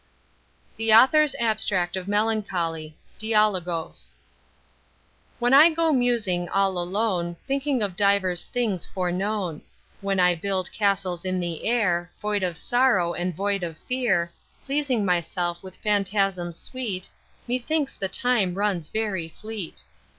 THE AUTHOR'S ABSTRACT OF MELANCHOLY, Διαλογῶς When I go musing all alone Thinking of divers things fore known. When I build castles in the air, Void of sorrow and void of fear, Pleasing myself with phantasms sweet, Methinks the time runs very fleet.